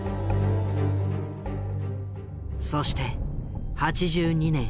そして８２年７月。